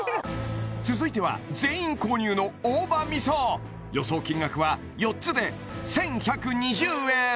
続いては全員購入の大葉みそ予想金額は４つで１１２０円